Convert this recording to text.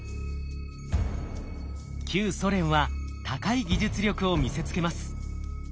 旧ソ連は高い技術力を見せつけます。